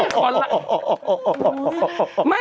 มากเลยขอละ